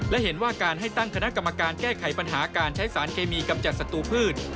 และเห็นว่าการให้ตั้งคณะกรรมการแก้ไขปัญหาการใช้สารเคมีกำจัดศัตรูพืช